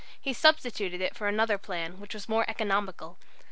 He substituted for it another plan, which was more economical.